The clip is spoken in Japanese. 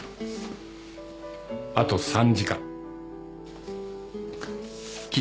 あと３時間。